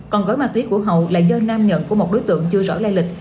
còn gói ma túy của hậu lại do nam nhận của một đối tượng chưa rõ lây lịch